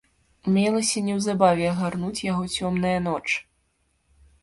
Мелася неўзабаве агарнуць яго цёмная ноч.